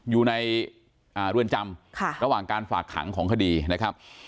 อยู่ในเรือนจำระหว่างการฝากขังของคดีนะครับ